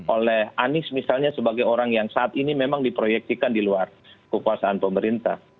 oleh anies misalnya sebagai orang yang saat ini memang diproyeksikan di luar kekuasaan pemerintah